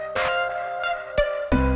ya baik bu